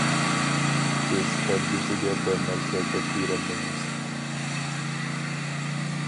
بىز كەلگۈسىگە بىر نەرسە دەپ بېرەلمەيمىز.